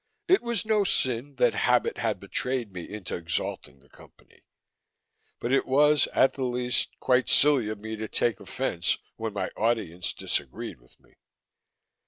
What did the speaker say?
It was no sin that habit had betrayed me into exalting the Company; but it was, at the least, quite silly of me to take offense when my audience disagreed with me.